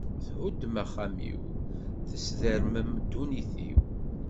Thuddem axxam-iw, tesdermem ddunit-iw.